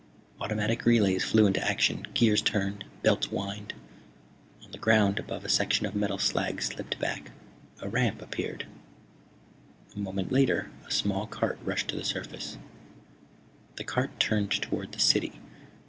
Automatic relays flew into action. Gears turned, belts whined. On the ground above a section of metal slag slipped back. A ramp appeared. A moment later a small cart rushed to the surface. The cart turned toward the city.